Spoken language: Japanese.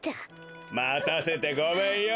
またせてごめんよ。